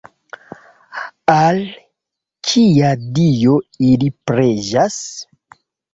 Al kia dio ili preĝas?